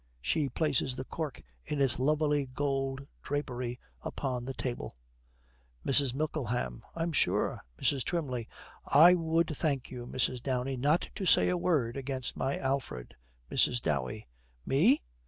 She places the cork, in its lovely gold drapery, upon the table. MRS. MICKLEHAM. 'I'm sure!' MRS. TWYMLEY. 'I would thank you, Mrs. Dowey, not to say a word against my Alfred.' MRS. DOWEY. 'Me!'